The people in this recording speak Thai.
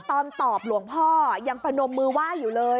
ตอนตอบหลวงพ่อยังพนมมือไหว้อยู่เลย